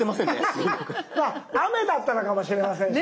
雨だったのかもしれませんしね。